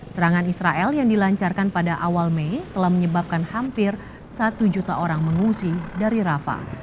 serangan israel yang dilancarkan pada awal mei telah menyebabkan hampir satu juta orang mengungsi dari rafa